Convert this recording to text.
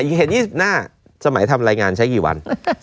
เห็น๒๕สมัยทำรายงานใช้กี่วัน